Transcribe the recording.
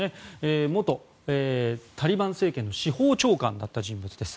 元タリバン政権の司法長官だった人物です。